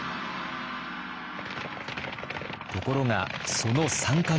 ところがその３か月後。